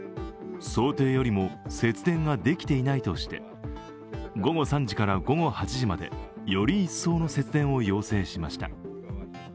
想定よりも節電ができていないとして午後３時から午後８時まで、より一層の節電を要請しました。